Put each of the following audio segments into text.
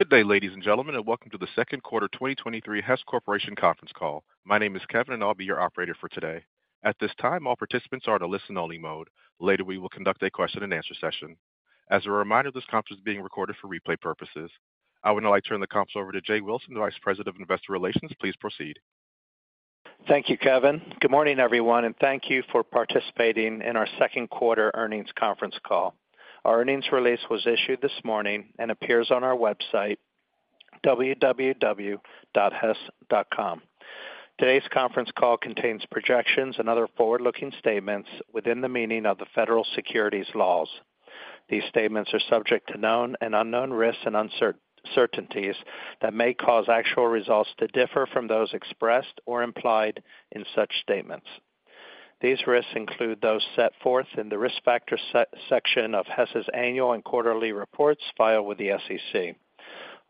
Good day, ladies and gentlemen, and welcome to the second quarter 2023 Hess Corporation conference call. My name is Kevin, and I'll be your operator for today. At this time, all participants are in a listen-only mode. Later, we will conduct a question-and-answer session. As a reminder, this conference is being recorded for replay purposes. I would now like to turn the conference over to Jay Wilson, the Vice President of Investor Relations. Please proceed. Thank you, Kevin. Good morning, everyone, and thank you for participating in our second quarter earnings conference call. Our earnings release was issued this morning and appears on our website, www.hess.com. Today's conference call contains projections and other forward-looking statements within the meaning of the federal securities laws. These statements are subject to known and unknown risks and uncertainties that may cause actual results to differ from those expressed or implied in such statements. These risks include those set forth in the Risk Factors section of Hess's annual and quarterly reports filed with the SEC.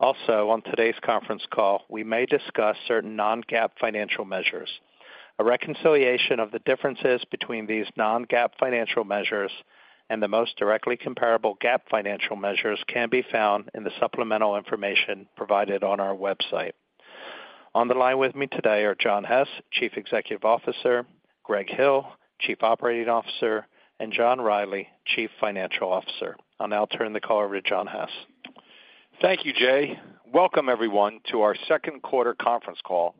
On today's conference call, we may discuss certain Non-GAAP financial measures. A reconciliation of the differences between these Non-GAAP financial measures and the most directly comparable GAAP financial measures can be found in the supplemental information provided on our website. On the line with me today are John Hess, Chief Executive Officer, Greg Hill, Chief Operating Officer, and John Rielly, Chief Financial Officer. I'll now turn the call over to John Hess. Thank you, Jay. Welcome, everyone, to our second quarter conference call.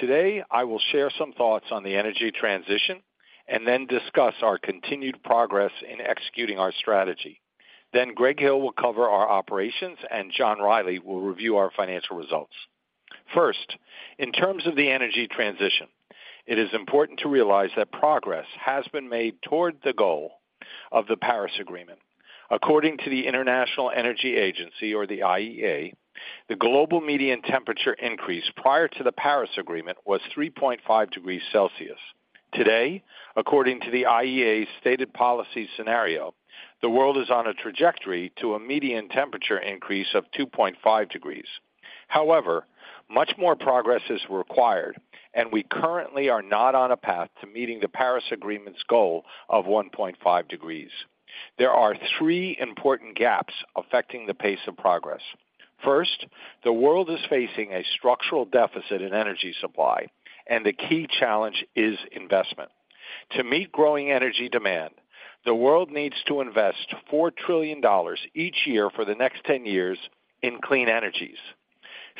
Today, I will share some thoughts on the energy transition and discuss our continued progress in executing our strategy. Greg Hill will cover our operations, and John Rielly will review our financial results. First, in terms of the energy transition, it is important to realize that progress has been made toward the goal of the Paris Agreement. According to the International Energy Agency, or the IEA, the global median temperature increase prior to the Paris Agreement was 3.5 degrees Celsius. Today, according to the IEA's stated policy scenario, the world is on a trajectory to a median temperature increase of 2.5 degrees. However, much more progress is required, and we currently are not on a path to meeting the Paris Agreement's goal of 1.5 degrees. There are three important gaps affecting the pace of progress. First, the world is facing a structural deficit in energy supply, and the key challenge is investment. To meet growing energy demand, the world needs to invest $4 trillion each year for the next 10 years in clean energies,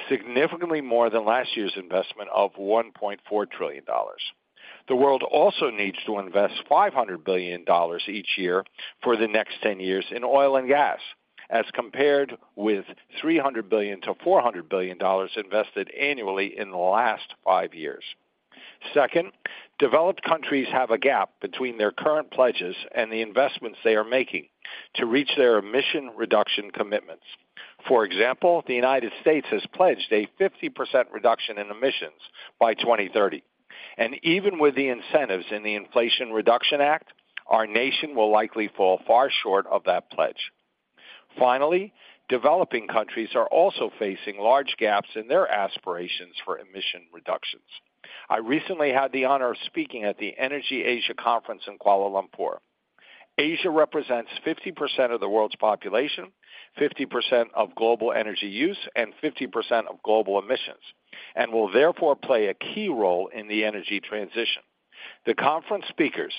significantly more than last year's investment of $1.4 trillion. The world also needs to invest $500 billion each year for the next 10 years in oil and gas, as compared with $300 billion-$400 billion invested annually in the last five years. Second, developed countries have a gap between their current pledges and the investments they are making to reach their emission reduction commitments. For example, the U.S. has pledged a 50% reduction in emissions by 2030, and even with the incentives in the Inflation Reduction Act, our nation will likely fall far short of that pledge. Finally, developing countries are also facing large gaps in their aspirations for emission reductions. I recently had the honor of speaking at the Energy Asia Conference in Kuala Lumpur. Asia represents 50% of the world's population, 50% of global energy use, and 50% of global emissions, and will therefore play a key role in the energy transition. The conference speakers,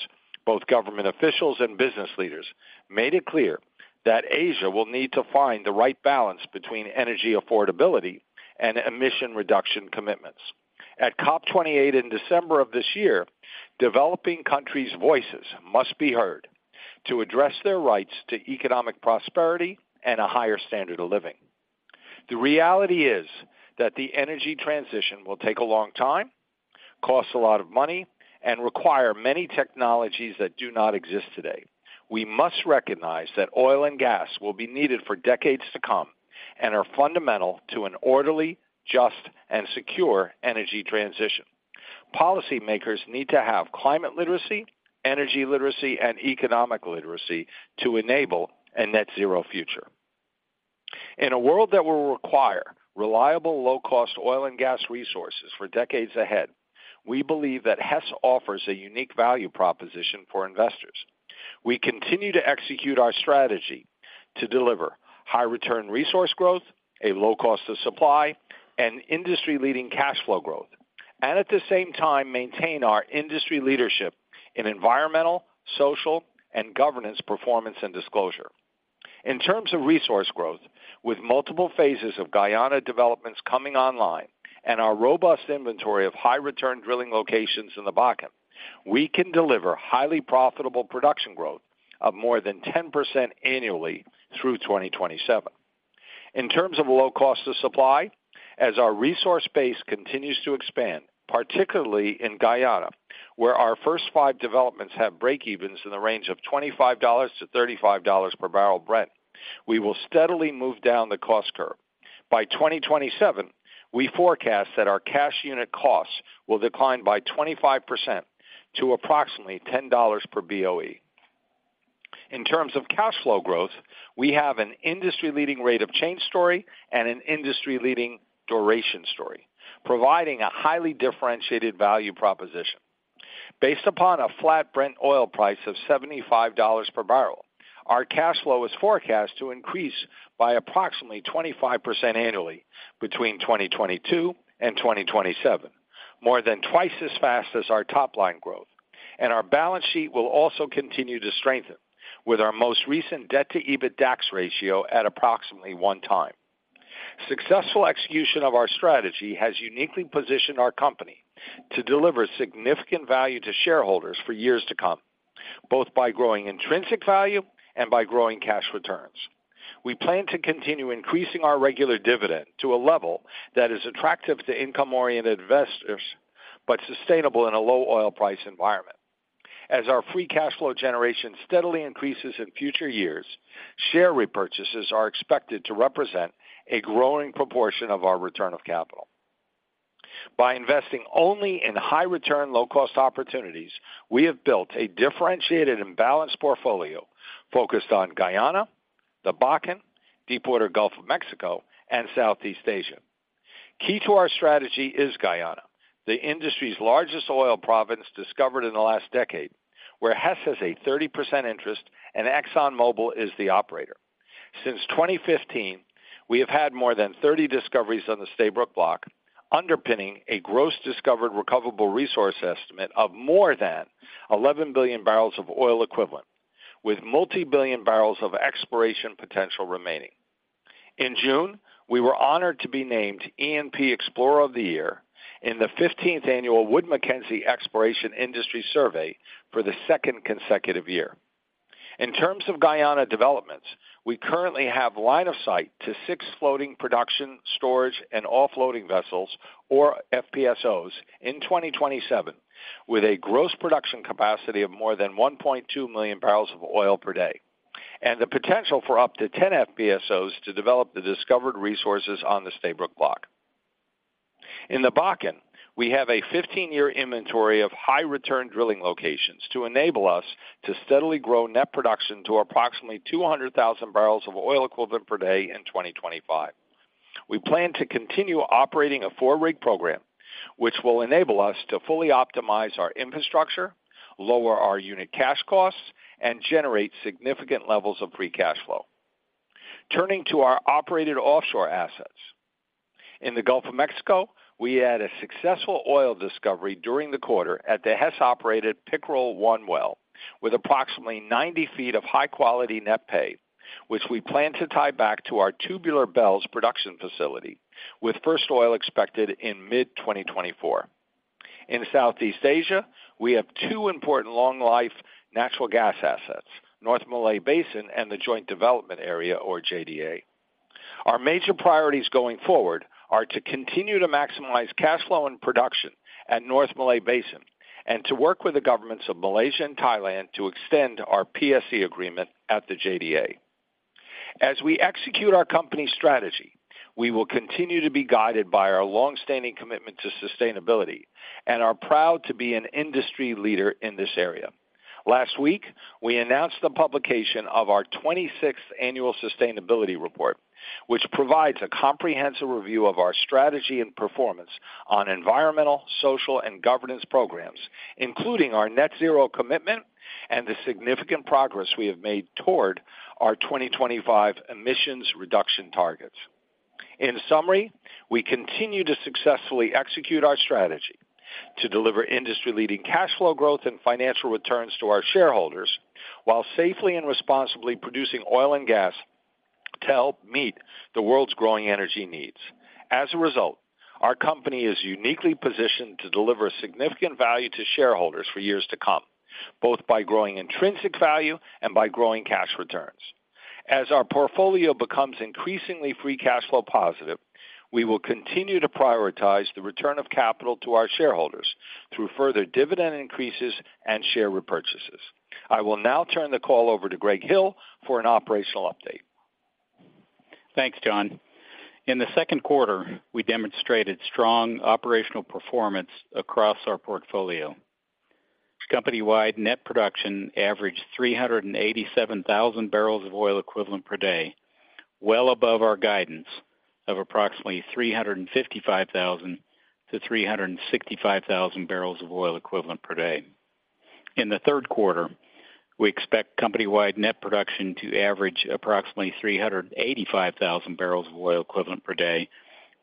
both government officials and business leaders, made it clear that Asia will need to find the right balance between energy affordability and emission reduction commitments. At COP28 in December of this year, developing countries' voices must be heard to address their rights to economic prosperity and a higher standard of living. The reality is that the energy transition will take a long time, cost a lot of money, and require many technologies that do not exist today. We must recognize that oil and gas will be needed for decades to come and are fundamental to an orderly, just, and secure energy transition. Policymakers need to have climate literacy, energy literacy, and economic literacy to enable a net-zero future. In a world that will require reliable, low-cost oil and gas resources for decades ahead, we believe that Hess offers a unique value proposition for investors. We continue to execute our strategy to deliver high return resource growth, a low cost of supply, and industry-leading cash flow growth, at the same time, maintain our industry leadership in environmental, social, and governance, performance, and disclosure. In terms of resource growth, with multiple phases of Guyana developments coming online and our robust inventory of high return drilling locations in the Bakken, we can deliver highly profitable production growth of more than 10% annually through 2027. In terms of low cost of supply, as our resource base continues to expand, particularly in Guyana, where our first five developments have breakevens in the range of $25-$35 per barrel Brent, we will steadily move down the cost curve. By 2027, we forecast that our cash unit costs will decline by 25% to approximately $10 per BOE. In terms of cash flow growth, we have an industry-leading rate of change story and an industry-leading duration story, providing a highly differentiated value proposition....Based upon a flat Brent oil price of $75 per barrel, our cash flow is forecast to increase by approximately 25% annually between 2022 and 2027, more than twice as fast as our top line growth. Our balance sheet will also continue to strengthen, with our most recent debt-to-EBITDAX ratio at approximately one time. Successful execution of our strategy has uniquely positioned our company to deliver significant value to shareholders for years to come, both by growing intrinsic value and by growing cash returns. We plan to continue increasing our regular dividend to a level that is attractive to income-oriented investors, but sustainable in a low oil price environment. As our free cash flow generation steadily increases in future years, share repurchases are expected to represent a growing proportion of our return of capital. By investing only in high return, low cost opportunities, we have built a differentiated and balanced portfolio focused on Guyana, the Bakken, Deepwater Gulf of Mexico, and Southeast Asia. Key to our strategy is Guyana, the industry's largest oil province discovered in the last decade, where Hess has a 30% interest and ExxonMobil is the operator. Since 2015, we have had more than 30 discoveries on the Stabroek Block, underpinning a gross discovered recoverable resource estimate of more than 11 billion barrels of oil equivalent, with multi-billion barrels of exploration potential remaining. In June, we were honored to be named E&P Explorer of the Year in the 15th annual Wood Mackenzie Exploration Industry Survey for the second consecutive year. In terms of Guyana developments, we currently have line of sight to six floating production, storage, and offloading vessels, or FPSOs, in 2027, with a gross production capacity of more than 1.2 million barrels of oil per day, and the potential for up to 10 FPSOs to develop the discovered resources on the Stabroek Block. In the Bakken, we have a 15-year inventory of high return drilling locations to enable us to steadily grow net production to approximately 200,000 barrels of oil equivalent per day in 2025. We plan to continue operating a 4-rig program, which will enable us to fully optimize our infrastructure, lower our unit cash costs, and generate significant levels of free cash flow. Turning to our operated offshore assets. In the Gulf of Mexico, we had a successful oil discovery during the quarter at the Hess-operated Pickerel-1 well, with approximately 90 feet of high-quality net pay, which we plan to tie back to our Tubular Bells production facility, with first oil expected in mid-2024. In Southeast Asia, we have two important long-life natural gas assets, North Malay Basin and the Joint Development Area, or JDA. Our major priorities going forward are to continue to maximize cash flow and production at North Malay Basin and to work with the governments of Malaysia and Thailand to extend our PSC agreement at the JDA. As we execute our company's strategy, we will continue to be guided by our long-standing commitment to sustainability and are proud to be an industry leader in this area. Last week, we announced the publication of our 26th annual sustainability report, which provides a comprehensive review of our strategy and performance on environmental, social, and governance programs, including our net zero commitment and the significant progress we have made toward our 2025 emissions reduction targets. In summary, we continue to successfully execute our strategy to deliver industry-leading cash flow growth and financial returns to our shareholders, while safely and responsibly producing oil and gas to help meet the world's growing energy needs. As a result, our company is uniquely positioned to deliver significant value to shareholders for years to come, both by growing intrinsic value and by growing cash returns. As our portfolio becomes increasingly free cash flow positive, we will continue to prioritize the return of capital to our shareholders through further dividend increases and share repurchases. I will now turn the call over to Greg Hill for an operational update. Thanks, John. In the second quarter, we demonstrated strong operational performance across our portfolio. Company-wide net production averaged 387,000 barrels of oil equivalent per day, well above our guidance of approximately 355,000-365,000 barrels of oil equivalent per day. In the third quarter, we expect company-wide net production to average approximately 385,000 barrels of oil equivalent per day,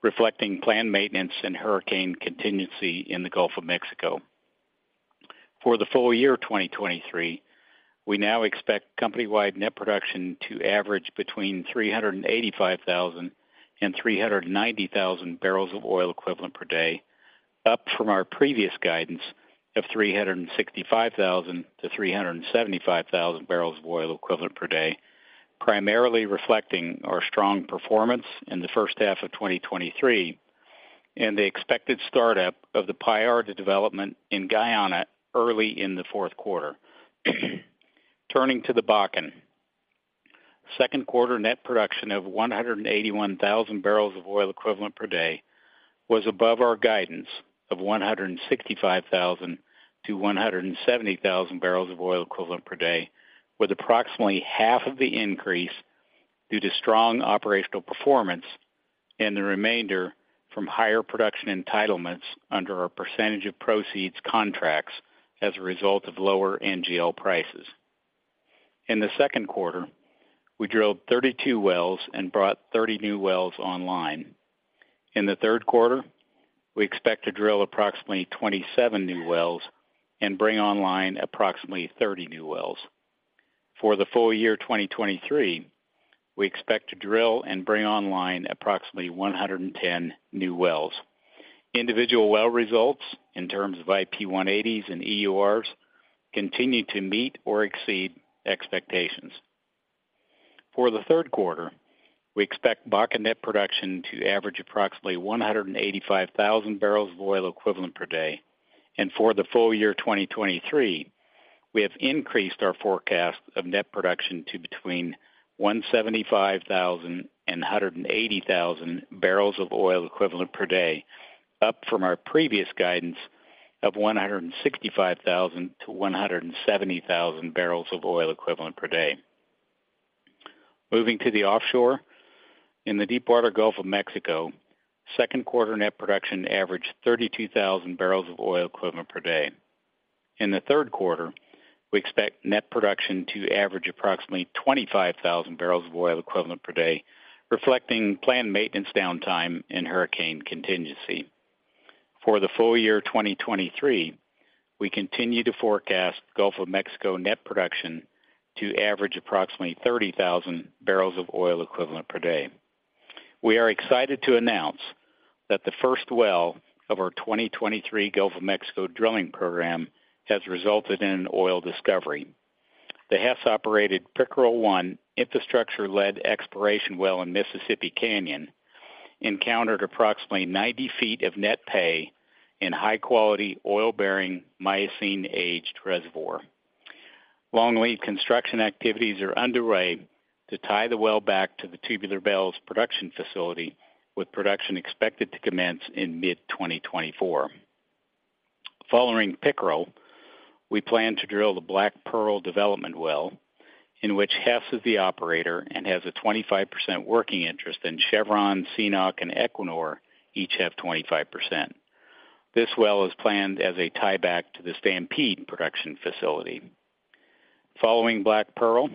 reflecting planned maintenance and hurricane contingency in the Gulf of Mexico. For the full year of 2023, we now expect company-wide net production to average between 385,000 and 390,000 barrels of oil equivalent per day, up from our previous guidance of 365,000-375,000 barrels of oil equivalent per day, primarily reflecting our strong performance in the H1 of 2023 and the expected startup of the Payara development in Guyana early in the fourth quarter. Turning to the Bakken. Second quarter net production of 181,000 barrels of oil equivalent per day was above our guidance of 165,000-170,000 barrels of oil equivalent per day, with approximately half of the increase. due to strong operational performance and the remainder from higher production entitlements under our percentage of proceeds contracts as a result of lower NGL prices. In the second quarter, we drilled 32 wells and brought 30 new wells online. In the third quarter, we expect to drill approximately 27 new wells and bring online approximately 30 new wells. For the full year 2023, we expect to drill and bring online approximately 110 new wells. Individual well results in terms of IP180s and EURs continue to meet or exceed expectations. For the third quarter, we expect Bakken net production to average approximately 185,000 barrels of oil equivalent per day, and for the full year 2023, we have increased our forecast of net production to between 175,000 and 180,000 barrels of oil equivalent per day, up from our previous guidance of 165,000-170,000 barrels of oil equivalent per day. Moving to the offshore, in the Deepwater Gulf of Mexico, second quarter net production averaged 32,000 barrels of oil equivalent per day. In the third quarter, we expect net production to average approximately 25,000 barrels of oil equivalent per day, reflecting planned maintenance downtime and hurricane contingency. For the full year 2023, we continue to forecast Gulf of Mexico net production to average approximately 30,000 barrels of oil equivalent per day. We are excited to announce that the first well of our 2023 Gulf of Mexico drilling program has resulted in an oil discovery. The Hess-operated Pickerel-1 infrastructure-led exploration well in Mississippi Canyon encountered approximately 90 feet of net pay in high quality oil-bearing Miocene-aged reservoir. Long lead construction activities are underway to tie the well back to the Tubular Bells production facility, with production expected to commence in mid-2024. Following Pickerel, we plan to drill the Black Pearl development well, in which Hess is the operator and has a 25% working interest in Chevron, CNOOC, and Equinor each have 25%. This well is planned as a tieback to the Stampede production facility. Following Black Pearl,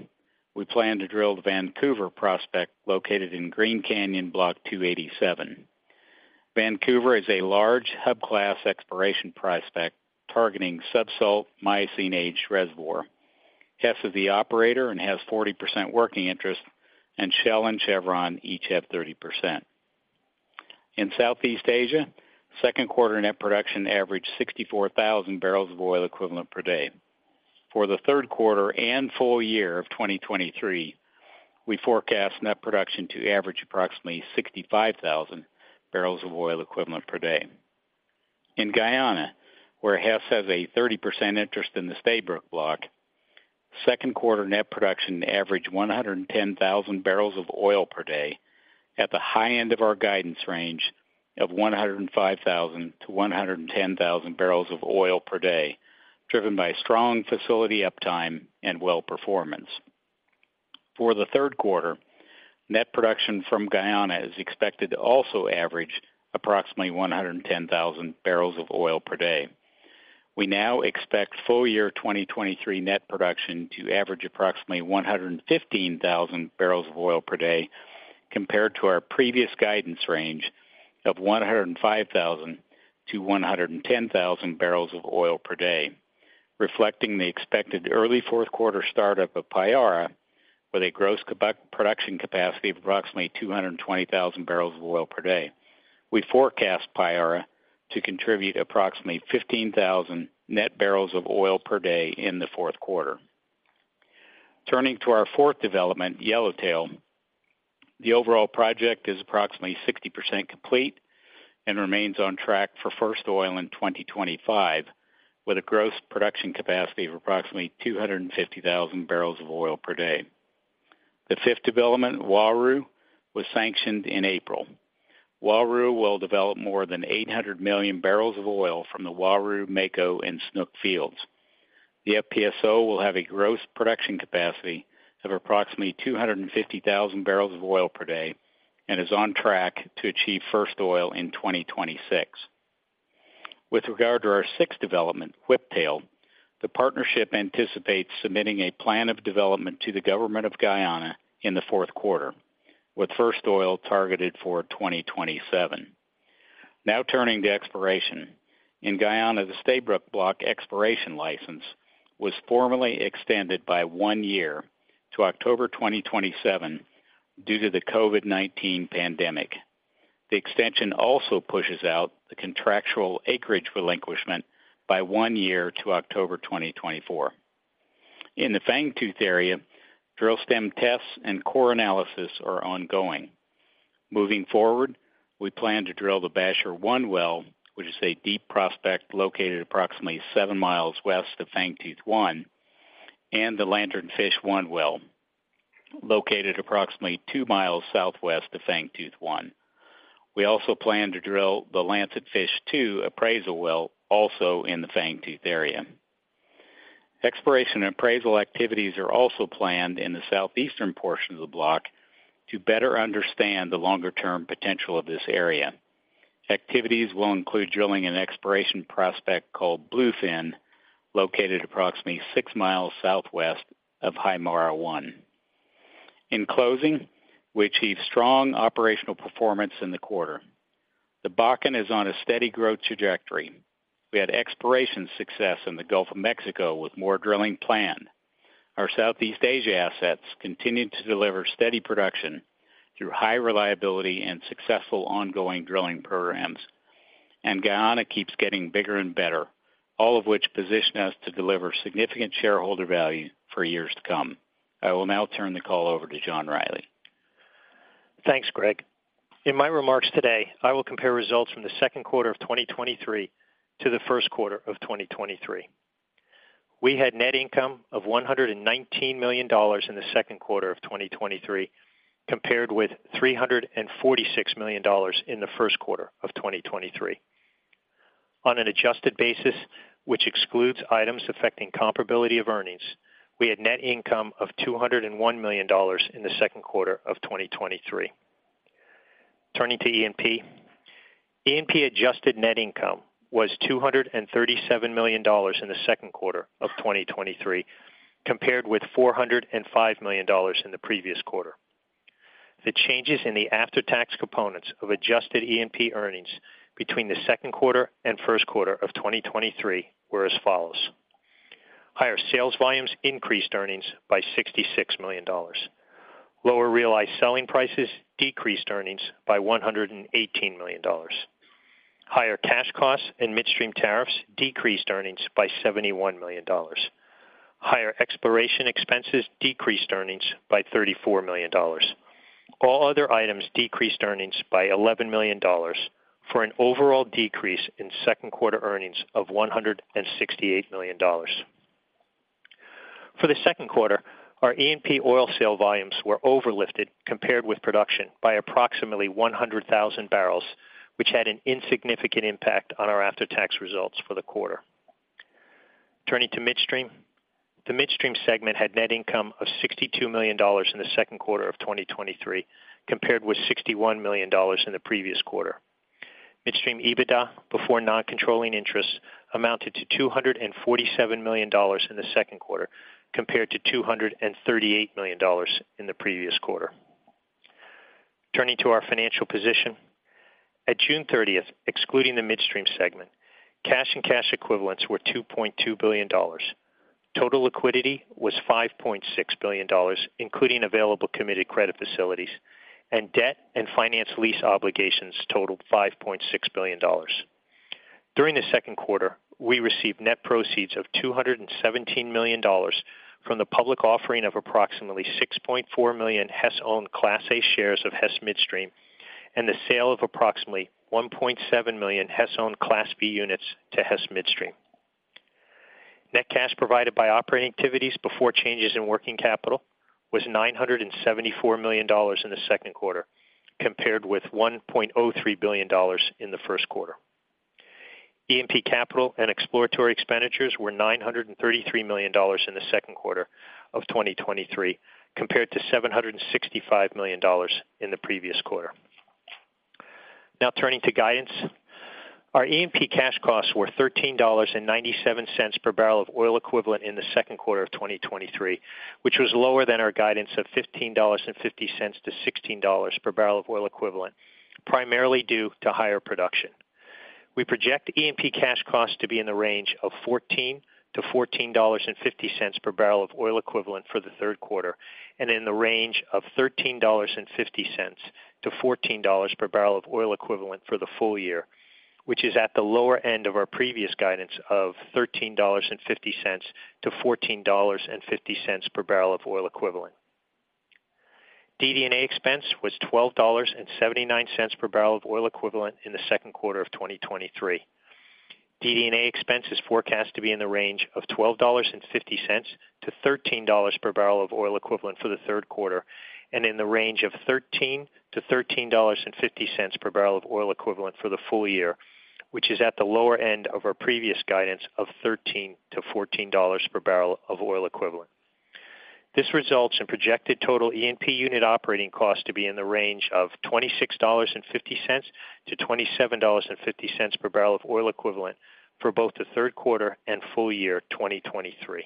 we plan to drill the Vancouver prospect, located in Green Canyon Block 287. Vancouver is a large hub class exploration prospect targeting subsalt Miocene-aged reservoir. Hess is the operator and has 40% working interest. Shell and Chevron each have 30%. In Southeast Asia, second quarter net production averaged 64,000 barrels of oil equivalent per day. For the third quarter and full year of 2023, we forecast net production to average approximately 65,000 barrels of oil equivalent per day. In Guyana, where Hess has a 30% interest in the Stabroek Block, second quarter net production averaged 110,000 barrels of oil per day at the high end of our guidance range of 105,000-110,000 barrels of oil per day, driven by strong facility uptime and well performance. For the third quarter, net production from Guyana is expected to also average approximately 110,000 barrels of oil per day. We now expect full year 2023 net production to average approximately 115,000 barrels of oil per day, compared to our previous guidance range of 105,000 to 110,000 barrels of oil per day, reflecting the expected early fourth quarter start up of Payara with a gross production capacity of approximately 220,000 barrels of oil per day. We forecast Payara to contribute approximately 15,000 net barrels of oil per day in the fourth quarter. Turning to our fourth development, Yellowtail. The overall project is approximately 60% complete and remains on track for first oil in 2025, with a gross production capacity of approximately 250,000 barrels of oil per day. The fifth development, Uaru, was sanctioned in April. Uaru will develop more than 800 million barrels of oil from the Uaru, Mako, and Snook fields. The FPSO will have a gross production capacity of approximately 250,000 barrels of oil per day and is on track to achieve first oil in 2026. With regard to our sixth development, Whiptail, the partnership anticipates submitting a plan of development to the Government of Guyana in the fourth quarter, with first oil targeted for 2027. Now turning to exploration. In Guyana, the Stabroek Block exploration license was formally extended by one year to October 2027 due to the COVID-19 pandemic. The extension also pushes out the contractual acreage relinquishment by one year to October 2024. In the Fangtooth area, drill stem tests and core analysis are ongoing. Moving forward, we plan to drill the Basher-1 well, which is a deep prospect located approximately 7 miles west of Fangtooth-1, and the Lancetfish-1 well, located approximately 2 miles southwest of Fangtooth-1. We also plan to drill the Lancetfish-2 appraisal well, also in the Fangtooth area. Exploration and appraisal activities are also planned in the southeastern portion of the block to better understand the longer-term potential of this area. Activities will include drilling an exploration prospect called Bluefin, located approximately 6 miles southwest of Haimara-1. In closing, we achieved strong operational performance in the quarter. The Bakken is on a steady growth trajectory. We had exploration success in the Gulf of Mexico with more drilling planned. Our Southeast Asia assets continued to deliver steady production through high reliability and successful ongoing drilling programs, and Guyana keeps getting bigger and better, all of which position us to deliver significant shareholder value for years to come. I will now turn the call over to John Rielly. Thanks, Greg. In my remarks today, I will compare results from the second quarter of 2023 to the first quarter of 2023. We had net income of $119 million in the second quarter of 2023, compared with $346 million in the first quarter of 2023. On an adjusted basis, which excludes items affecting comparability of earnings, we had net income of $201 million in the second quarter of 2023. Turning to E&P. E&P adjusted net income was $237 million in the second quarter of 2023, compared with $405 million in the previous quarter. The changes in the after-tax components of adjusted E&P earnings between the second quarter and first quarter of 2023 were as follows: higher sales volumes increased earnings by $66 million. Lower realized selling prices decreased earnings by $118 million. Higher cash costs and Midstream tariffs decreased earnings by $71 million. Higher exploration expenses decreased earnings by $34 million. All other items decreased earnings by $11 million, for an overall decrease in second quarter earnings of $168 million. For the second quarter, our E&P oil sale volumes were overlifted compared with production by approximately 100,000 barrels, which had an insignificant impact on our after-tax results for the quarter. Turning to Midstream. The Midstream segment had net income of $62 million in the second quarter of 2023, compared with $61 million in the previous quarter. Midstream EBITDA before non-controlling interests amounted to $247 million in the second quarter, compared to $238 million in the previous quarter. Turning to our financial position. At June 30th, excluding the Midstream segment, cash and cash equivalents were $2.2 billion. Total liquidity was $5.6 billion, including available committed credit facilities, and debt and finance lease obligations totaled $5.6 billion. During the second quarter, we received net proceeds of $217 million from the public offering of approximately 6.4 million Hess-owned Class A shares of Hess Midstream and the sale of approximately 1.7 million Hess-owned Class B units to Hess Midstream. Net cash provided by operating activities before changes in working capital was $974 million in the second quarter, compared with $1.03 billion in the first quarter. E&P capital and exploratory expenditures were $933 million in the second quarter of 2023, compared to $765 million in the previous quarter. Turning to guidance. Our E&P cash costs were $13.97 per barrel of oil equivalent in the second quarter of 2023, which was lower than our guidance of $15.50-$16 per barrel of oil equivalent, primarily due to higher production. We project E&P cash costs to be in the range of $14-$14.50 per barrel of oil equivalent for the third quarter, in the range of $13.50-$14 per barrel of oil equivalent for the full year, which is at the lower end of our previous guidance of $13.50-$14.50 per barrel of oil equivalent. DD&A expense was $12.79 per barrel of oil equivalent in the second quarter of 2023. DD&A expense is forecast to be in the range of $12.50-$13 per barrel of oil equivalent for the third quarter, and in the range of $13-$13.50 per barrel of oil equivalent for the full year, which is at the lower end of our previous guidance of $13-$14 per barrel of oil equivalent. This results in projected total E&P unit operating costs to be in the range of $26.50-$27.50 per barrel of oil equivalent for both the third quarter and full year 2023.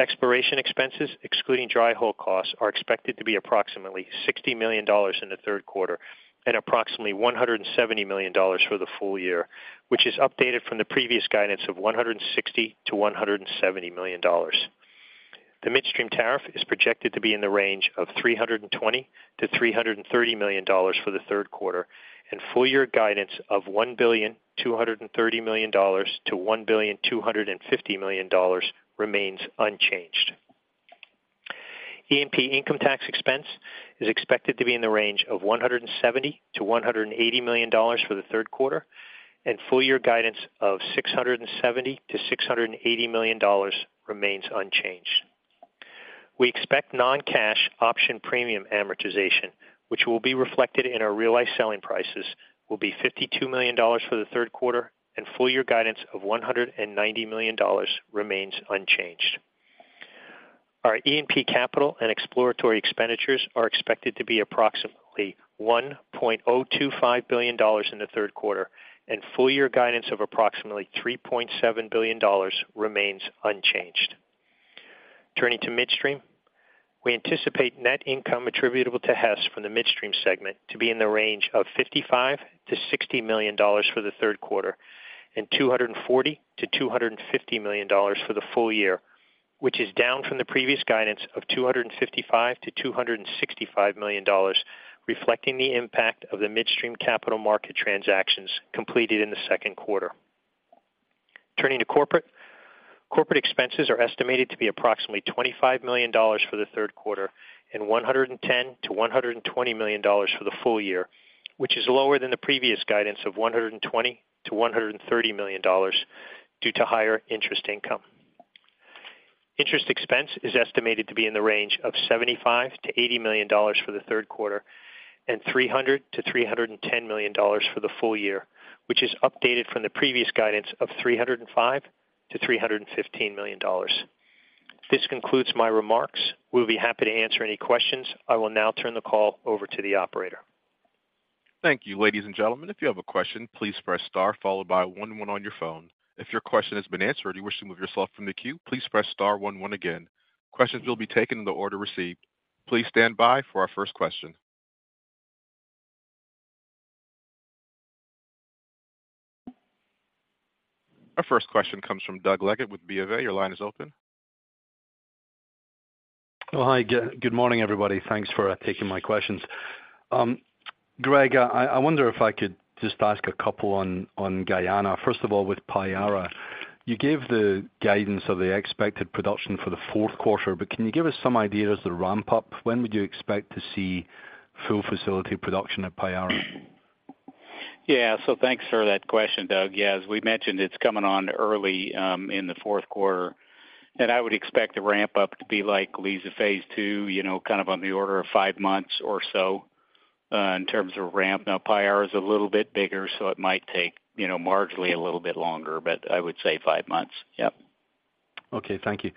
Exploration expenses, excluding dry hole costs, are expected to be approximately $60 million in the third quarter and approximately $170 million for the full year, which is updated from the previous guidance of $160 million-$170 million. The Midstream tariff is projected to be in the range of $320 million-$330 million for the third quarter, and full year guidance of $1.23 billion-$1.25 billion remains unchanged. E&P income tax expense is expected to be in the range of $170 million-$180 million for the third quarter, and full year guidance of $670 million-$680 million remains unchanged. We expect non-cash option premium amortization, which will be reflected in our realized selling prices, will be $52 million for the third quarter, and full year guidance of $190 million remains unchanged. Our E&P capital and exploratory expenditures are expected to be approximately $1.025 billion in the third quarter, and full year guidance of approximately $3.7 billion remains unchanged. Turning to Midstream, we anticipate net income attributable to Hess from the Midstream segment to be in the range of $55 million-$60 million for the third quarter and $240 million-$250 million for the full year, which is down from the previous guidance of $255 million-$265 million, reflecting the impact of the Midstream capital market transactions completed in the second quarter. Turning to corporate. Corporate expenses are estimated to be approximately $25 million for the third quarter and $110 million-$120 million for the full year, which is lower than the previous guidance of $120 million-$130 million due to higher interest income. Interest expense is estimated to be in the range of $75 million-$80 million for the third quarter and $300 million-$310 million for the full year, which is updated from the previous guidance of $305 million-$315 million. This concludes my remarks. We'll be happy to answer any questions. I will now turn the call over to the operator. Thank you. Ladies and gentlemen, if you have a question, please press star followed by one on your phone. If your question has been answered, or you wish to move yourself from the queue, please press star one again. Questions will be taken in the order received. Please stand by for our first question. Our first question comes from Doug Leggate with BofA. Your line is open. Hi, good morning, everybody. Thanks for taking my questions. Greg, I wonder if I could just ask a couple on Guyana. First of all, with Payara, you gave the guidance of the expected production for the fourth quarter, can you give us some idea as to the ramp up? When would you expect to see full facility production at Payara? Thanks for that question, Doug. As we mentioned, it's coming on early in the fourth quarter, and I would expect the ramp up to be like Liza phase II, you know, kind of on the order of 5-months or so in terms of ramp. Payara is a little bit bigger, so it might take, you know, marginally a little bit longer, but I would say 5-months. Yep. Okay. Thank you.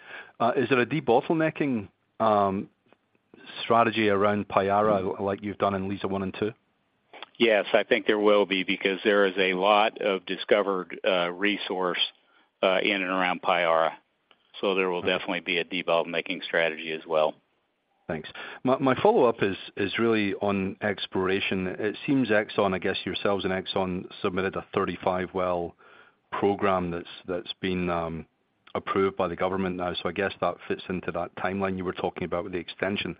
Is there a debottlenecking strategy around Payara like you've done in Liza 1 and 2? Yes, I think there will be, because there is a lot of discovered, resource, in and around Payara, so there will definitely be a debottlenecking strategy as well. Thanks. My follow-up is really on exploration. It seems Exxon, I guess yourselves and Exxon submitted a 35 well program that's been approved by the government now. I guess that fits into that timeline you were talking about with the extension.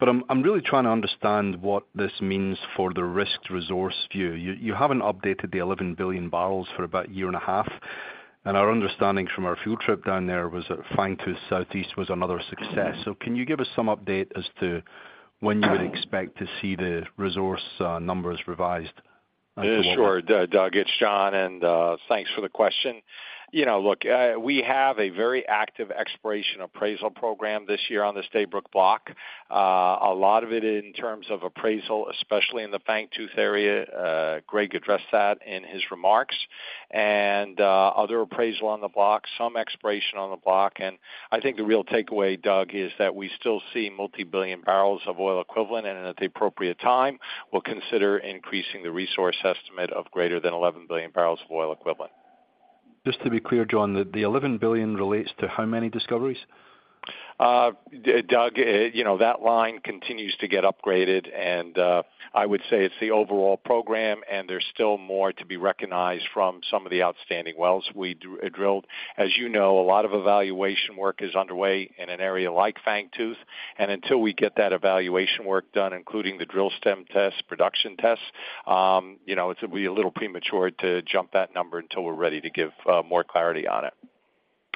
I'm really trying to understand what this means for the risked resource view. You haven't updated the 11 billion barrels for about a year and a half, and our understanding from our field trip down there was that Fangtooth Southeast was another success. Can you give us some update as to when you would expect to see the resource numbers revised? Yeah, sure, Doug, it's John. Thanks for the question. You know, look, we have a very active exploration appraisal program this year on the Stabroek Block. A lot of it in terms of appraisal, especially in the Fangtooth area. Greg addressed that in his remarks. Other appraisal on the block, some exploration on the block. I think the real takeaway, Doug, is that we still see multi-billion barrels of oil equivalent, and at the appropriate time, we'll consider increasing the resource estimate of greater than 11 billion barrels of oil equivalent. Just to be clear, John, the $11 billion relates to how many discoveries? Doug, you know, that line continues to get upgraded, and I would say it's the overall program, and there's still more to be recognized from some of the outstanding wells we drilled. You know, a lot of evaluation work is underway in an area like Fangtooth, and until we get that evaluation work done, including the drill stem test, production tests, you know, it's be a little premature to jump that number until we're ready to give more clarity on it.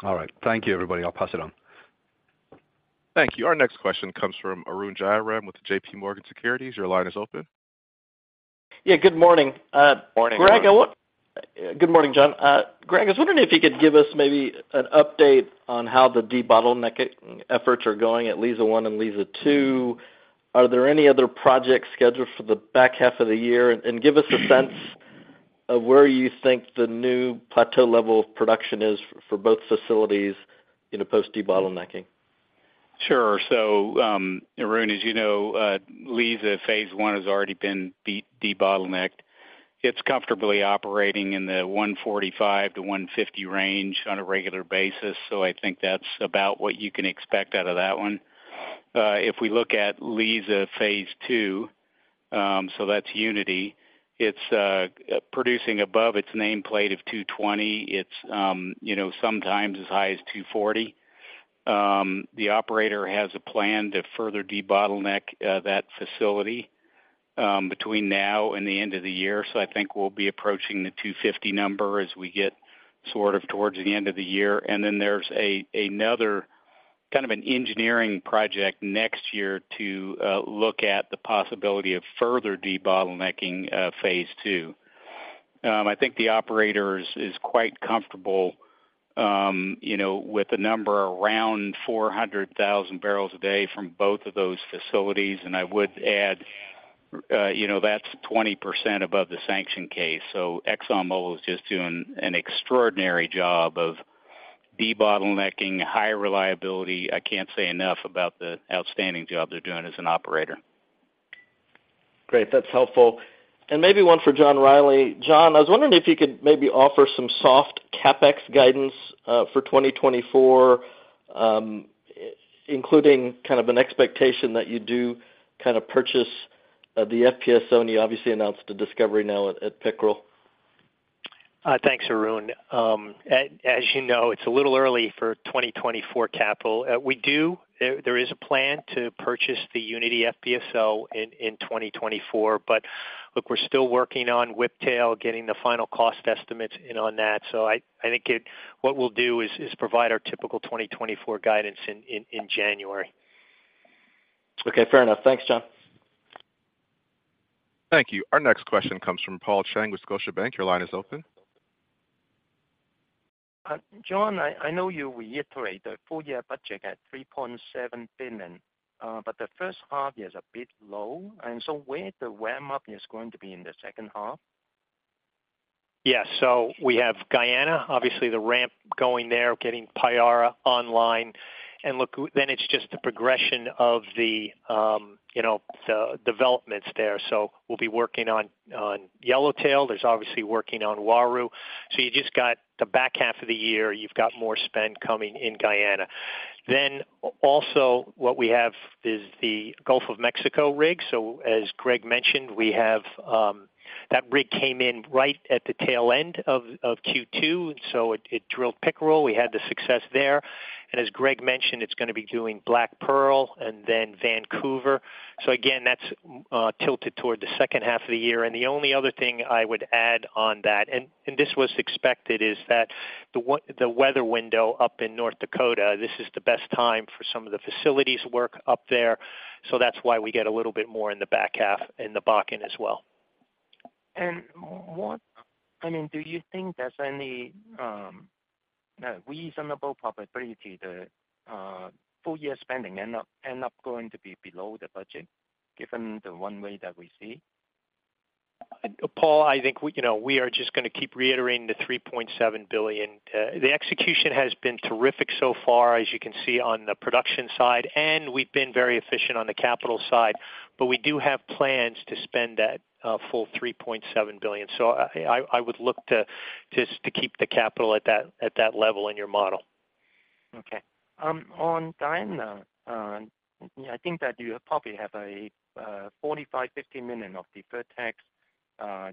All right. Thank you, everybody. I'll pass it on. Thank you. Our next question comes from Arun Jayaram with JPMorgan Securities. Your line is open. Yeah, good morning. Morning. Greg. Good morning, John. Greg, I was wondering if you could give us maybe an update on how the debottlenecking efforts are going at Liza 1 and Liza 2. Are there any other projects scheduled for the back half of the year? Give us a sense of where you think the new plateau level of production is for both facilities in a post debottlenecking. Sure. Arun, as you know, Liza phase I has already been debottlenecked. It's comfortably operating in the 145-150 range on a regular basis, so I think that's about what you can expect out of that one. If we look at Liza phase II, so that's Unity, it's producing above its nameplate of 220. It's, you know, sometimes as high as 240. The operator has a plan to further debottleneck that facility between now and the end of the year. I think we'll be approaching the 250 number as we get sort of towards the end of the year. There's another kind of an engineering project next year to look at the possibility of further debottlenecking phase II. I think the operator is quite comfortable, you know, with a number around 400,000 barrels a day from both of those facilities. I would add, you know, that's 20% above the sanction case. ExxonMobil is just doing an extraordinary job of debottlenecking, high reliability. I can't say enough about the outstanding job they're doing as an operator. Great, that's helpful. Maybe one for John Rielly. John, I was wondering if you could maybe offer some soft CapEx guidance for 2024, including kind of an expectation that you do kind of purchase the FPSO, and you obviously announced the discovery now at Pickerel. Thanks, Arun. as you know, it's a little early for 2024 capital. There is a plan to purchase the Unity FPSO in 2024. Look, we're still working on Whiptail, getting the final cost estimates in on that. I think what we'll do is provide our typical 2024 guidance in January. Okay, fair enough. Thanks, John. Thank you. Our next question comes from Paul Cheng with Scotiabank. Your line is open. John, I know you reiterate the full year budget at $3.7 billion, but the H1 is a bit low, where the ramp up is going to be in the H2? Yeah. We have Guyana, obviously the ramp going there, getting Payara online. Look, then it's just the progression of the, you know, the developments there. We'll be working on Yellowtail. There's obviously working on Uaru. You just got the back half of the year, you've got more spend coming in Guyana. Also what we have is the Gulf of Mexico rig. As Greg mentioned, we have. That rig came in right at the tail end of Q2, so it drilled Pickerel. We had the success there. As Greg mentioned, it's gonna be doing Black Pearl and then Vancouver. Again, that's tilted toward the H2 of the year. The only other thing I would add on that, this was expected, is that the weather window up in North Dakota, this is the best time for some of the facilities work up there. That's why we get a little bit more in the back half in the Bakken as well. I mean, do you think there's any reasonable probability the full year spending end up going to be below the budget, given the one way that we see? Paul, I think we, you know, we are just gonna keep reiterating the $3.7 billion. The execution has been terrific so far, as you can see on the production side, and we've been very efficient on the capital side. We do have plans to spend that full $3.7 billion. I would look to just to keep the capital at that level in your model. Okay. On Guyana, I think that you probably have a $45 million-$50 million of deferred tax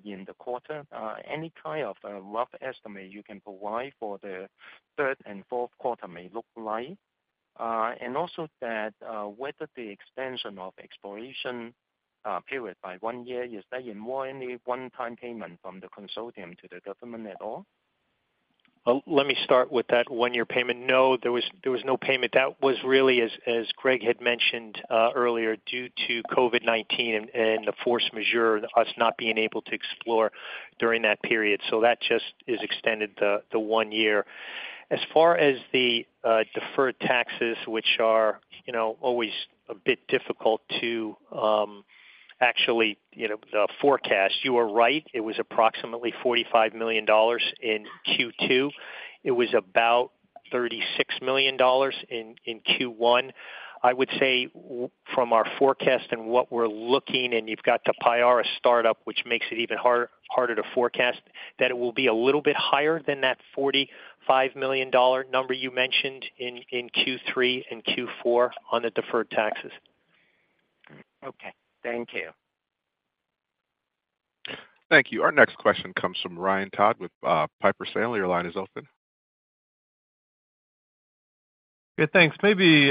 in the quarter. Any kind of a rough estimate you can provide for the third and fourth quarter may look like? Also that, whether the extension of exploration period by one year, is there more any one-time payment from the consortium to the government at all? Let me start with that one-year payment. No, there was no payment. That was really, as Greg had mentioned, earlier, due to COVID-19 and the force majeure, us not being able to explore during that period. That just is extended the one year. As far as the deferred taxes, which are, you know, always a bit difficult to actually, you know, forecast. You are right, it was approximately $45 million in Q2. It was about $36 million in Q1. I would say from our forecast and what we're looking, and you've got the Payara startup, which makes it even harder to forecast, that it will be a little bit higher than that $45 million number you mentioned in Q3 and Q4 on the deferred taxes. Okay. Thank you. Thank you. Our next question comes from Ryan Todd with Piper Sandler. Your line is open. Good, thanks. Maybe,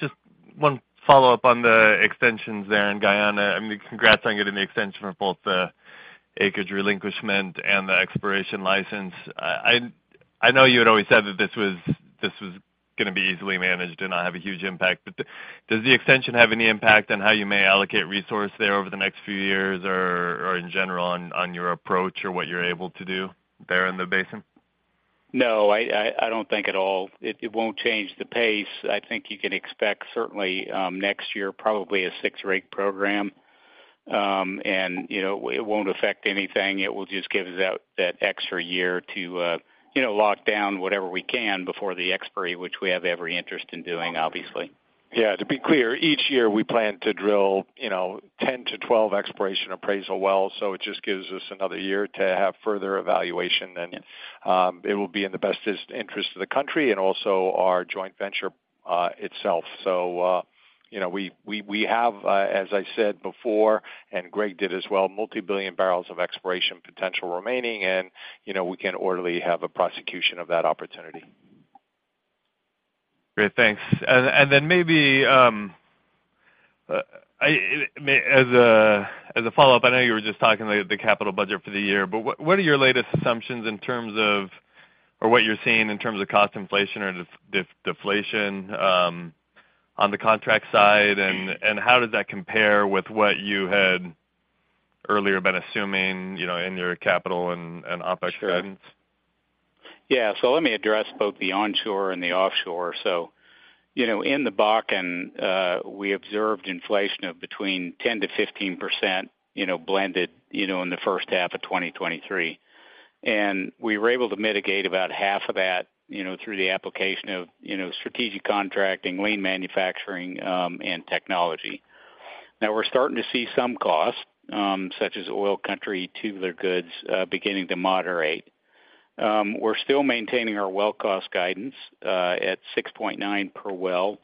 just one follow-up on the extensions there in Guyana. I mean, congrats on getting the extension for both the acreage relinquishment and the exploration license. I know you had always said that this was gonna be easily managed and not have a huge impact, but does the extension have any impact on how you may allocate resource there over the next few years or in general on your approach or what you're able to do there in the basin? No, I don't think at all. It won't change the pace. I think you can expect certainly, next year, probably a six-rig program. You know, it won't affect anything. It will just give us that extra year to, you know, lock down whatever we can before the expiry, which we have every interest in doing, obviously. Yeah, to be clear, each year we plan to drill, you know, 10 to 12 exploration appraisal wells, so it just gives us another year to have further evaluation, and it will be in the best interest of the country and also our joint venture itself. We have, as I said before, and Greg did as well, multi-billion barrels of exploration potential remaining, and, you know, we can orderly have a prosecution of that opportunity. Great, thanks. Then maybe, as a follow-up, I know you were just talking the capital budget for the year, what are your latest assumptions in terms of, or what you're seeing in terms of cost inflation or deflation? on the contract side, and how does that compare with what you had earlier been assuming, you know, in your capital and OPEX guidance? Sure. Let me address both the onshore and the offshore. You know, in the Bakken, we observed inflation of between 10%-15%, you know, blended, you know, in the H1 of 2023. We were able to mitigate about half of that, you know, through the application of, you know, strategic contracting, lean manufacturing, and technology. Now we're starting to see some costs, such as oil country tubular goods, beginning to moderate. We're still maintaining our well cost guidance at $6.9 per well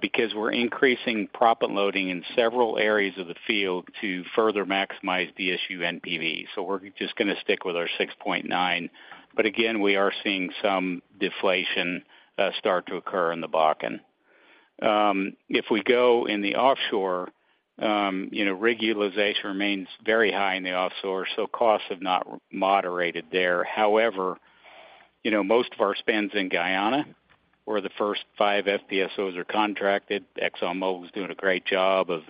because we're increasing proppant loading in several areas of the field to further maximize the SU NPV. We're just gonna stick with our $6.9, but again, we are seeing some deflation start to occur in the Bakken. If we go in the offshore, you know, regularization remains very high in the offshore, so costs have not moderated there. However, you know, most of our spends in Guyana, where the first five FPSOs are contracted, ExxonMobil is doing a great job of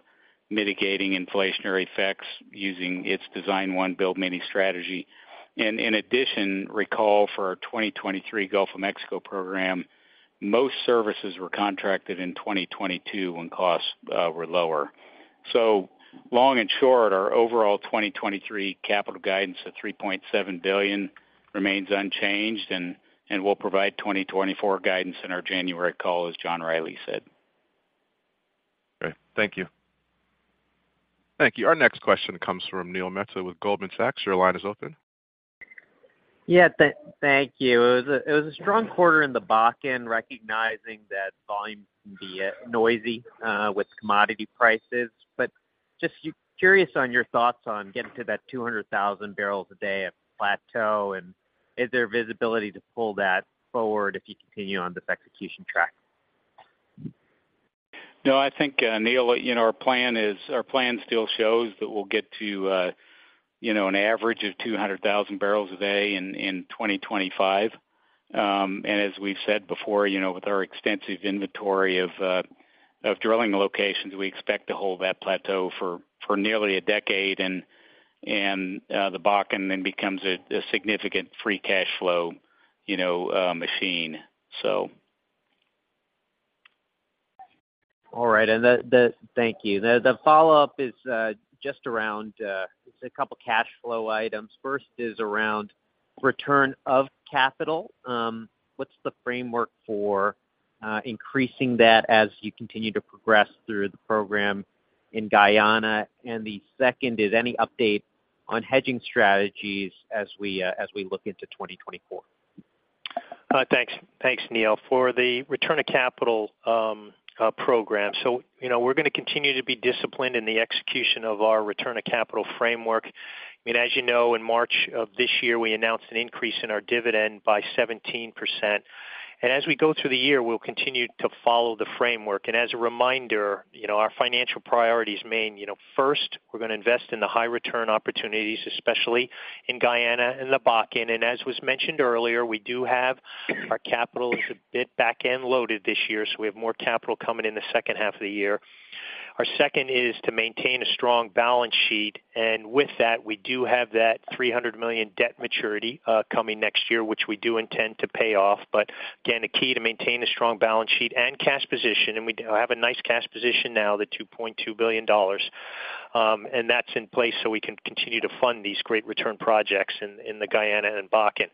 mitigating inflationary effects using its design one, build many strategy. In addition, recall for our 2023 Gulf of Mexico program, most services were contracted in 2022 when costs were lower. Long and short, our overall 2023 capital guidance of $3.7 billion remains unchanged, and we'll provide 2024 guidance in our January call, as John Rielly said. Great. Thank you. Thank you. Our next question comes from Neil Mehta with Goldman Sachs. Your line is open. Yeah. Thank you. It was a strong quarter in the Bakken, recognizing that volume can be noisy with commodity prices. Just curious on your thoughts on getting to that 200,000 barrels a day of plateau, and is there visibility to pull that forward if you continue on this execution track? No, I think, Neil, you know, our plan still shows that we'll get to, you know, an average of 200,000 barrels a day in 2025. As we've said before, you know, with our extensive inventory of drilling locations, we expect to hold that plateau for nearly a decade, and the Bakken then becomes a significant free cash flow, you know, machine, so. Thank you. The follow-up is just around it's a couple cash flow items. First is around return of capital. What's the framework for increasing that as you continue to progress through the program in Guyana? The second is, any update on hedging strategies as we look into 2024? Thanks. Thanks, Neil. For the return of capital program, so, you know, we're gonna continue to be disciplined in the execution of our return of capital framework. I mean, as you know, in March of this year, we announced an increase in our dividend by 17%. As we go through the year, we'll continue to follow the framework. As a reminder, you know, our financial priorities mean, you know, first, we're gonna invest in the high return opportunities, especially in Guyana and the Bakken. As was mentioned earlier, we do have our capital is a bit back-end loaded this year, so we have more capital coming in the H2 of the year. Our second is to maintain a strong balance sheet. With that, we do have that $300 million debt maturity coming next year, which we do intend to pay off. Again, the key to maintain a strong balance sheet and cash position, and we have a nice cash position now, the $2.2 billion. That's in place so we can continue to fund these great return projects in the Guyana and Bakken.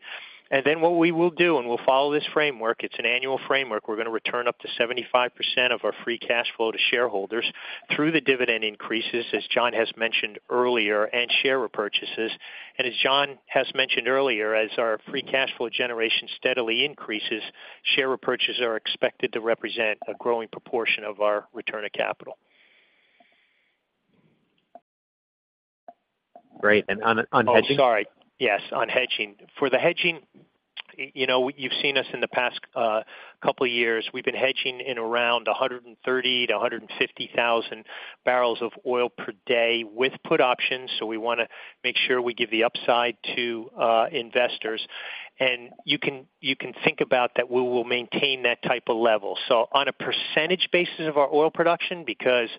What we will do, and we'll follow this framework, it's an annual framework. We're gonna return up to 75% of our free cash flow to shareholders through the dividend increases, as John has mentioned earlier, and share repurchases. As John has mentioned earlier, as our free cash flow generation steadily increases, share repurchases are expected to represent a growing proportion of our return of capital. Great. On hedging? Oh, sorry. Yes, on hedging. For the hedging, you know, you've seen us in the past couple of years. We've been hedging in around 130 to 150,000 barrels of oil per day with put options, so we wanna make sure we give the upside to investors. You can think about that we will maintain that type of level. On a percentage basis of our oil production, because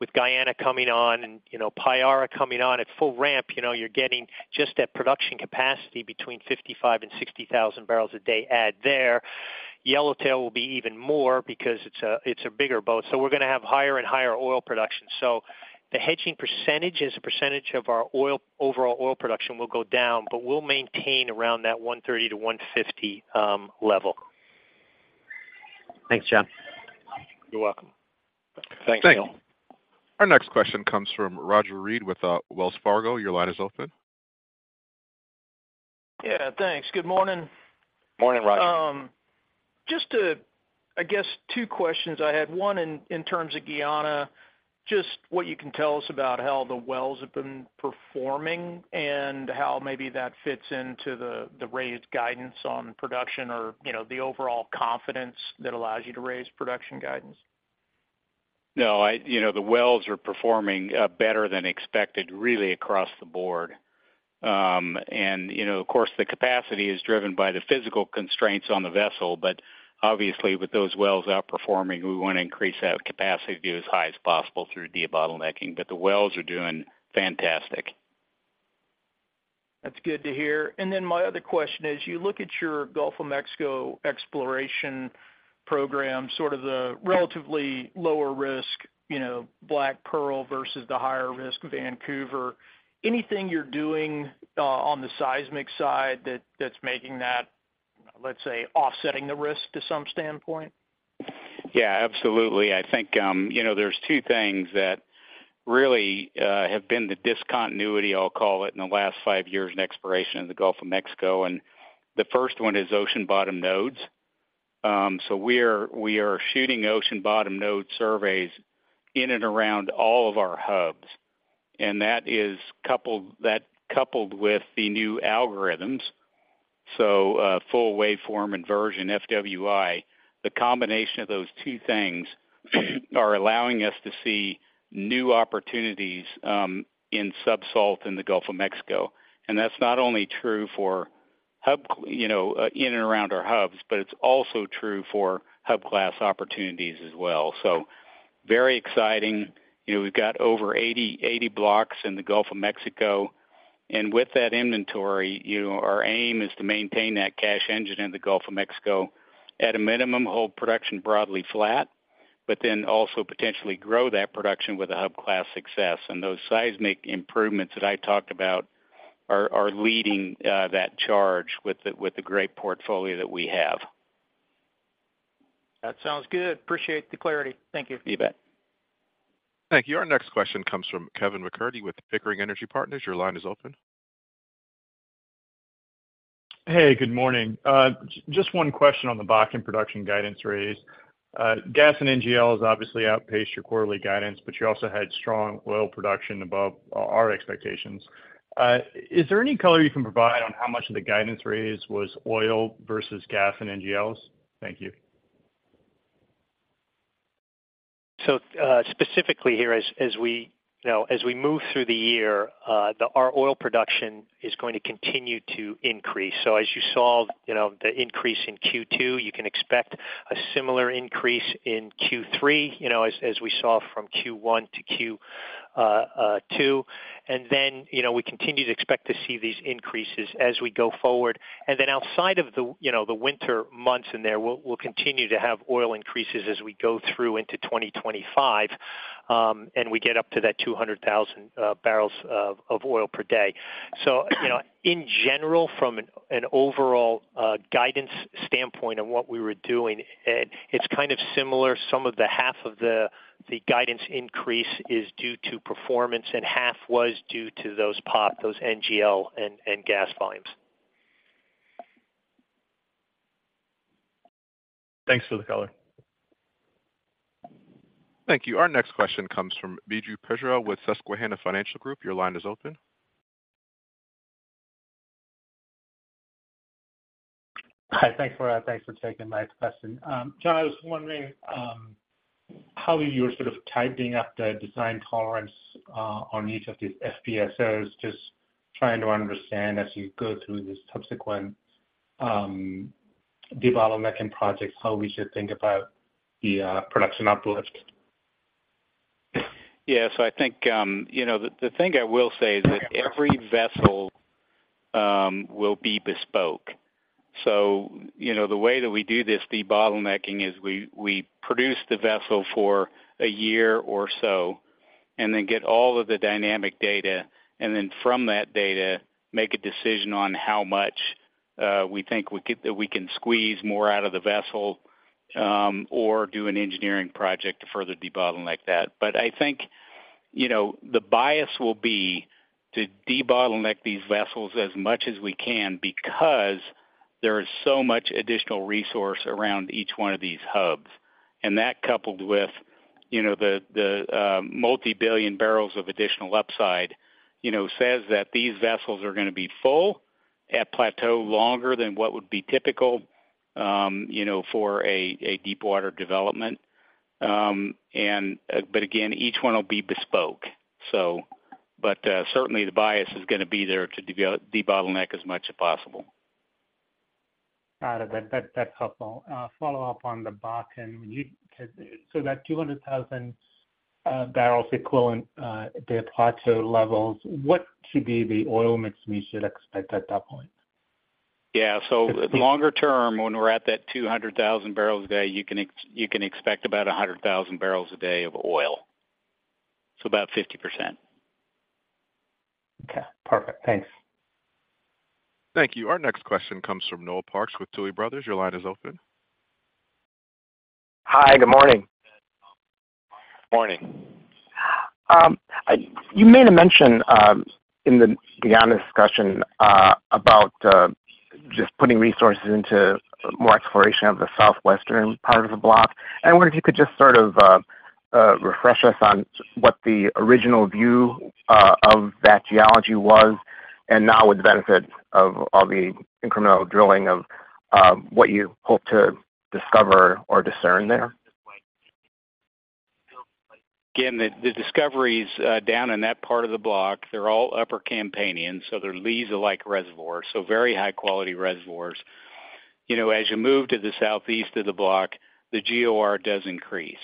with Guyana coming on and, you know, Payara coming on at full ramp, you know, you're getting just that production capacity between 55 and 60,000 barrels a day add there. Yellowtail will be even more because it's a bigger boat, so we're gonna have higher and higher oil production. The hedging % as a % of our overall oil production will go down, but we'll maintain around that 130-150 level. Thanks, John. You're welcome. Thanks, Neil. Our next question comes from Roger Read with, Wells Fargo. Your line is open. Yeah, thanks. Good morning. Morning, Roger. Just to, I guess, two questions I had, one in terms of Guyana, just what you can tell us about how the wells have been performing and how maybe that fits into the raised guidance on production or, you know, the overall confidence that allows you to raise production guidance? No, I, you know, the wells are performing better than expected, really across the board. You know, of course, the capacity is driven by the physical constraints on the vessel, but obviously, with those wells outperforming, we want to increase that capacity to be as high as possible through debottlenecking. The wells are doing fantastic. That's good to hear. My other question is: you look at your Gulf of Mexico exploration program, sort of the relatively lower risk, you know, Black Pearl versus the higher risk, Vancouver. Anything you're doing on the seismic side that's making that, let's say, offsetting the risk to some standpoint? Yeah, absolutely. I think, you know, there's two things that really have been the discontinuity, I'll call it, in the last five years in exploration in the Gulf of Mexico. The first one is ocean bottom nodes. We are shooting ocean bottom node surveys in and around all of our hubs, and that coupled with the new algorithms, so full waveform inversion, FWI. The combination of those two things, are allowing us to see new opportunities in subsalt in the Gulf of Mexico. That's not only true for hub, you know, in and around our hubs, but it's also true for hub class opportunities as well. Very exciting. You know, we've got over 80 blocks in the Gulf of Mexico. With that inventory, you know, our aim is to maintain that cash engine in the Gulf of Mexico. At a minimum, hold production broadly flat. Also potentially grow that production with a hub class success. Those seismic improvements that I talked about are leading that charge with the great portfolio that we have. That sounds good. Appreciate the clarity. Thank you. You bet. Thank you. Our next question comes from Kevin MacCurdy with Pickering Energy Partners. Your line is open. Hey, good morning. Just one question on the Bakken production guidance raise. Gas and NGLs obviously outpaced your quarterly guidance, but you also had strong oil production above our expectations. Is there any color you can provide on how much of the guidance raise was oil versus gas and NGLs? Thank you. Specifically here, as we, you know, as we move through the year, our oil production is going to continue to increase. As you saw, you know, the increase in Q2, you can expect a similar increase in Q3, you know, as we saw from Q1 to Q2. You know, we continue to expect to see these increases as we go forward. Outside of the, you know, the winter months in there, we'll continue to have oil increases as we go through into 2025, and we get up to that 200,000 barrels of oil per day. You know, in general, from an overall guidance standpoint on what we were doing, it's kind of similar. Some of the half of the guidance increase is due to performance, and half was due to those NGL and gas volumes. Thanks for the color. Thank you. Our next question comes from Biju Perincheril with Susquehanna Financial Group. Your line is open. Hi, thanks for taking my question. John, I was wondering, how you're sort of tightening up the design tolerance, on each of these FPSOs. Just trying to understand, as you go through this subsequent, debottlenecking projects, how we should think about the production uplift. Yeah. I think, you know, the thing I will say is that every vessel will be bespoke. You know, the way that we do this debottlenecking is we produce the vessel for a year or so, and then get all of the dynamic data, and then from that data, make a decision on how much we think we could, we can squeeze more out of the vessel, or do an engineering project to further debottleneck that. I think, you know, the bias will be to debottleneck these vessels as much as we can because there is so much additional resource around each one of these hubs. That, coupled with, you know, the multi-billion barrels of additional upside, you know, says that these vessels are going to be full at plateau longer than what would be typical, you know, for a deepwater development. Again, each one will be bespoke, so. Certainly the bias is going to be there to debottleneck as much as possible. Got it. That, that's helpful. Follow-up on the Bakken. So that 200,000 barrels equivalent, the plateau levels, what should be the oil mix we should expect at that point? Yeah. Longer term, when we're at that 200,000 barrels a day, you can expect about 100,000 barrels a day of oil. About 50%. Okay, perfect. Thanks. Thank you. Our next question comes from Noel Parks with Tuohy Brothers. Your line is open. Hi, good morning. Morning. You made a mention, in the beginning of the discussion, about just putting resources into more exploration of the southwestern part of the block. I wonder if you could just sort of refresh us on what the original view of that geology was? ... and now with the benefits of all the incremental drilling of, what you hope to discover or discern there? Again, the discoveries, down in that part of the block, they're all upper Campanian, so they're Liza-like reservoirs, so very high-quality reservoirs. You know, as you move to the southeast of the block, the GOR does increase.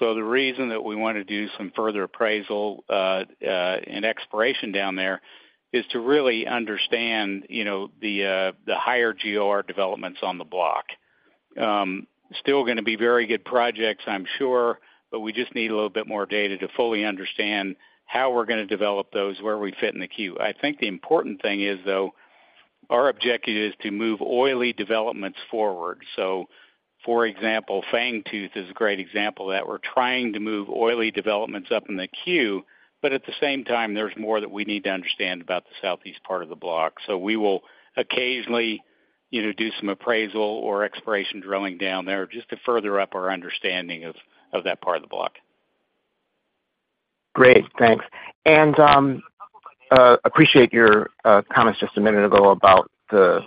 The reason that we want to do some further appraisal and exploration down there, is to really understand, you know, the higher GOR developments on the block. Still gonna be very good projects, I'm sure, but we just need a little bit more data to fully understand how we're gonna develop those, where we fit in the queue. I think the important thing is, though, our objective is to move oily developments forward. For example, Fangtooth is a great example, that we're trying to move oily developments up in the queue, but at the same time, there's more that we need to understand about the southeast part of the block. We will occasionally, you know, do some appraisal or exploration drilling down there, just to further up our understanding of that part of the block. Great, thanks. Appreciate your comments just a minute ago about the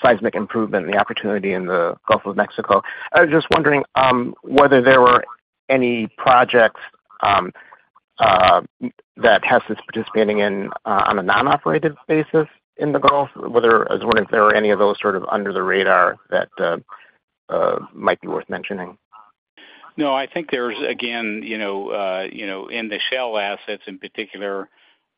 seismic improvement and the opportunity in the Gulf of Mexico. I was just wondering whether there were any projects that Hess is participating in on a non-operated basis in the Gulf? I was just wondering if there were any of those sort of under the radar that might be worth mentioning? No, I think there's, again, you know, you know, in the Shell assets in particular,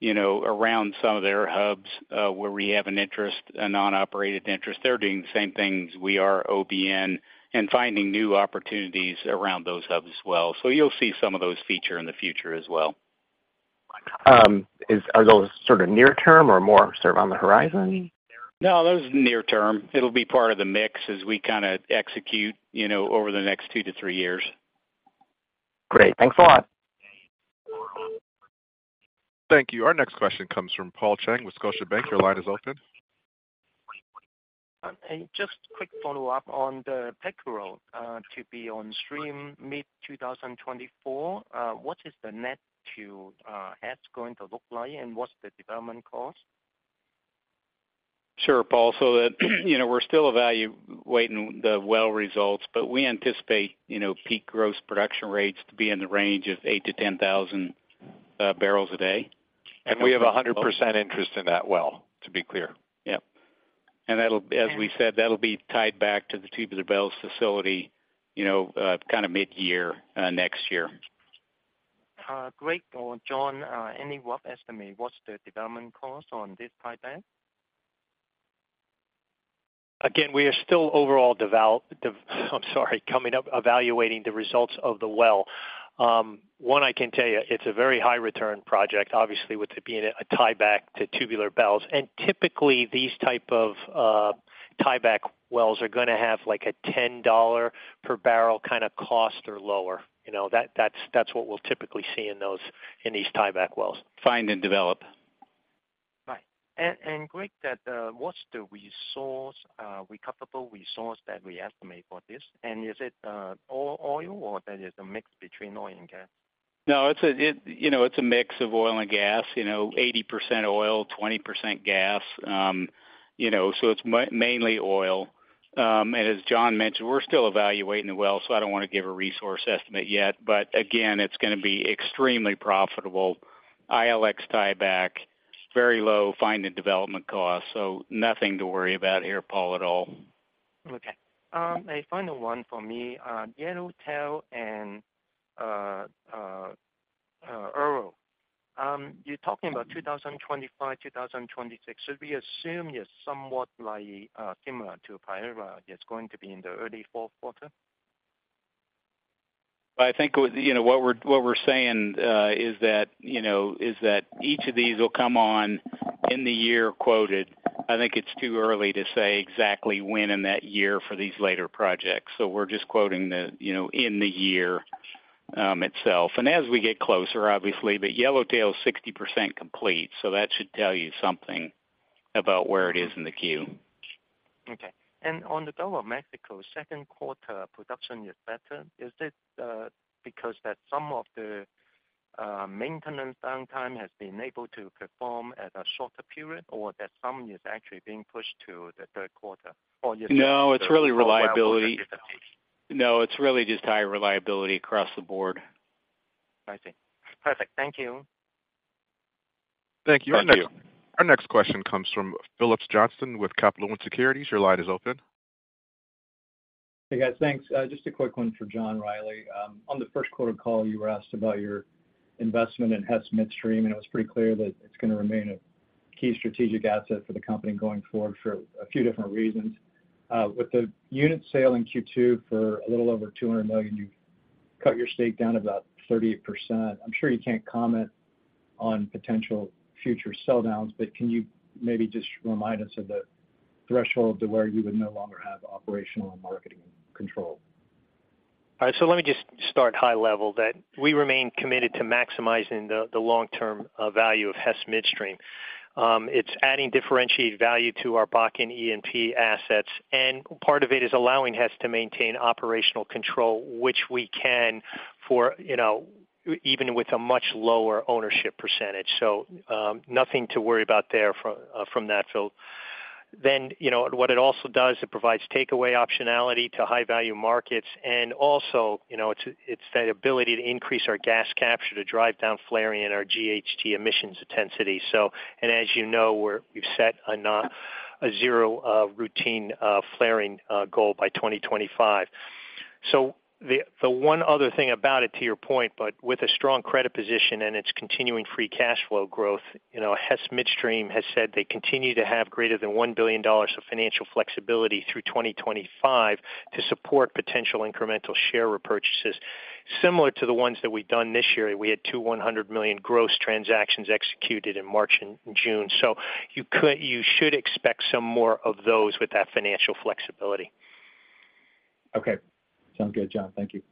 you know, around some of their hubs, where we have an interest, a non-operated interest, they're doing the same things we are OBN and finding new opportunities around those hubs as well. You'll see some of those feature in the future as well. Are those sort of near term or more sort of on the horizon? No, those are near term. It'll be part of the mix as we kind of execute, you know, over the next 2-3-years. Great. Thanks a lot. Thank you. Our next question comes from Paul Cheng with Scotiabank. Your line is open. Just a quick follow-up on the Payara to be on stream mid-2024. What is the net to Hess going to look like, and what's the development cost? Sure, Paul. you know, we're still evaluating the well results, but we anticipate, you know, peak gross production rates to be in the range of 8,000-10,000 barrels a day. We have 100% interest in that well, to be clear. Yep. As we said, that'll be tied back to the Tubular Bells facility, you know, kind of midyear, next year. Greg or John, any rough estimate, what's the development cost on this tieback? We are still overall evaluating the results of the well. I can tell you, it's a very high return project, obviously, with it being a tieback to Tubular Bells. Typically, these type of tieback wells are gonna have, like, a $10 per barrel kind of cost or lower. You know, that's what we'll typically see in those, in these tieback wells. Find and develop. Right. Greg, that, what's the resource, recoverable resource that we estimate for this? Is it, all oil, or that is a mix between oil and gas? No, you know, it's a mix of oil and gas. You know, 80% oil, 20% gas. You know, so it's mainly oil. As John mentioned, we're still evaluating the well, so I don't want to give a resource estimate yet. Again, it's gonna be extremely profitable. ILX tieback, very low find and development costs, so nothing to worry about here, Paul, at all. Okay. A final one for me. Yellowtail and Uaru. You're talking about 2025, 2026. Should we assume you're somewhat similar to Payara, it's going to be in the early fourth quarter? I think, you know, what we're saying, is that each of these will come on in the year quoted. I think it's too early to say exactly when in that year for these later projects. We're just quoting the, you know, in the year itself. As we get closer, obviously, but Yellowtail is 60% complete, so that should tell you something about where it is in the queue. Okay. On the Gulf of Mexico, second quarter production is better. Is it because that some of the maintenance downtime has been able to perform at a shorter period or that some is actually being pushed to the third quarter? No, it's really reliability. No, it's really just high reliability across the board. I see. Perfect. Thank you. Thank you. Thank you. Our next question comes from Phillips Johnston with Capital One Securities. Your line is open. Hey, guys, thanks. Just a quick one for John Rielly. On the first quarter call, you were asked about your investment in Hess Midstream. It was pretty clear that it's gonna remain a key strategic asset for the company going forward for a few different reasons. With the unit sale in Q2 for a little over $200 million, you cut your stake down about 38%. I'm sure you can't comment on potential future sell downs. Can you maybe just remind us of the threshold to where you would no longer have operational and marketing control? All right, let me just start high level, that we remain committed to maximizing the long-term value of Hess Midstream. It's adding differentiated value to our Bakken E&P assets, and part of it is allowing Hess to maintain operational control, which we can for, you know, even with a much lower ownership percentage. Nothing to worry about there from that field. What it also does, it provides takeaway optionality to high-value markets, and also, you know, it's that ability to increase our gas capture, to drive down flaring and our GHG emissions intensity. As you know, we've set a zero routine flaring goal by 2025. The one other thing about it, to your point, with a strong credit position and its continuing free cash flow growth, you know, Hess Midstream has said they continue to have greater than $1 billion of financial flexibility through 2025 to support potential incremental share repurchases. Similar to the ones that we've done this year, we had $200 million gross transactions executed in March and June. You should expect some more of those with that financial flexibility. Okay. Sounds good, John. Thank you.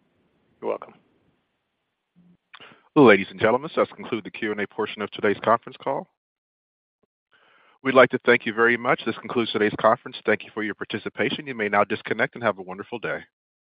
You're welcome. Ladies and gentlemen, this concludes the Q&A portion of today's conference call. We'd like to thank you very much. This concludes today's conference. Thank you for your participation. You may now disconnect and have a wonderful day.